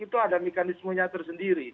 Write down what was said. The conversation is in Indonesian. itu ada mekanismenya tersendiri